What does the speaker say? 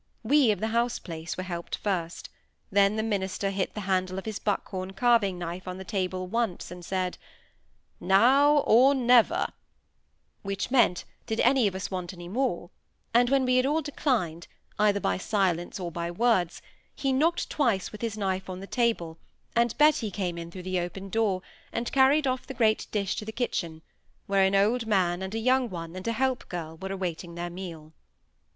We of the house place were helped first; then the minister hit the handle of his buck horn carving knife on the table once, and said,— "Now or never," which meant, did any of us want any more; and when we had all declined, either by silence or by words, he knocked twice with his knife on the table, and Betty came in through the open door, and carried off the great dish to the kitchen, where an old man and a young one, and a help girl, were awaiting their meal.